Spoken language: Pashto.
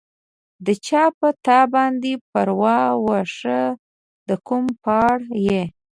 د چا پۀ تا باندې پرواه، واښۀ د کوم پهاړ ئې